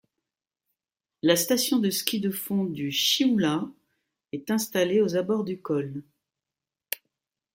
La station de ski de fond du Chioula est installée aux abords du col.